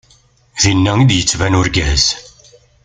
Dinna i d-yettban urgaz.